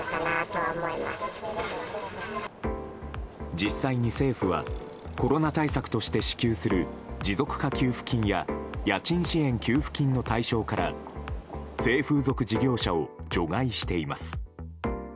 実際に、政府はコロナ対策として支給する持続化給付金や家賃支援給付金の対象から性風俗事業者を除外しています。